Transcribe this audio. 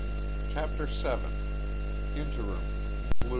CHAPTER SEVEN. INTERIM "FLU."